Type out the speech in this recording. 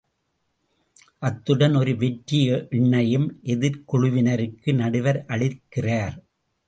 அத்துடன் ஒரு வெற்றி எண்ணையும் எதிர்க்குழுவினருக்கு நடுவர் அளிக்கிறார்.